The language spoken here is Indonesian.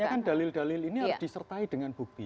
makanya kan dalil dalil ini harus disertai dengan bukti